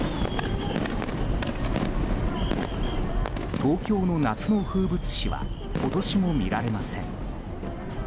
東京の夏の風物詩は今年も見られません。